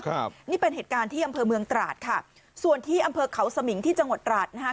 ครับนี่เป็นเหตุการณ์ที่อำเภอเมืองตราดค่ะส่วนที่อำเภอเขาสมิงที่จังหวัดตราดนะคะ